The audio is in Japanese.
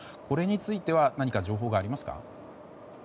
これについては何か情報がありますか？